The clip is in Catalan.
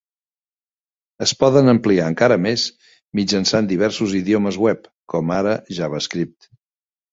Es poden ampliar encara més mitjançant diversos idiomes web, com ara JavaScript.